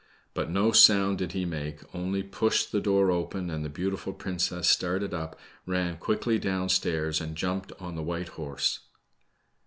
But no sound did he make, only pushed the door open, and the beautiful princess started up, ran quickly down stairs, and jumped on the white horse.